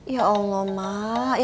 ya allah mak